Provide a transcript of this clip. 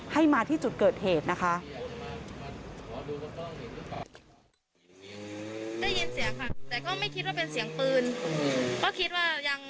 ให้มาที่จุดเกิดเหตุนะคะ